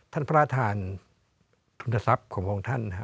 ท่านพระอาทานทุนทรัพย์ของพระองค์ท่านนะฮะ